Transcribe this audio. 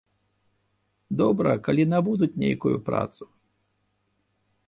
Добра, калі набудуць нейкую працу.